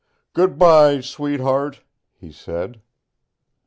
"Good by, sweetheart!" he said.